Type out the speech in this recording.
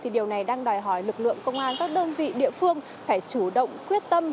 điều này đang đòi hỏi lực lượng công an các đơn vị địa phương phải chủ động quyết tâm